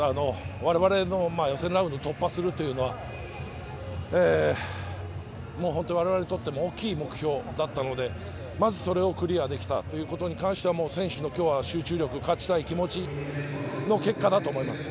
我々の予選ラウンドを突破するというのは、我々にとっても大きい目標だったのでまずそれをクリアできたというところに関しては、選手の今日は集中力、勝ちたい気持ちの結果だと思います。